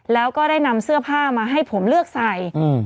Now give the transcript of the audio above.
แล้วก็ได้นำเสื้อผ้ามาให้ผมเลือกใส่